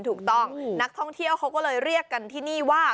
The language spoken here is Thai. ถูกต้องนักท่องเที่ยวเขาก็เลยเรียกกันที่นี่ว่า